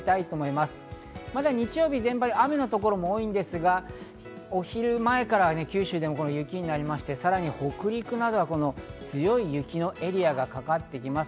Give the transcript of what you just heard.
まずは日曜日全体、雨の所が多いですが、お昼前から九州でも雪になって、さらに北陸などは強い雪のエリアがかかってきます。